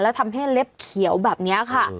แล้วทำให้เล็บเขียวแบบนี้ค่ะ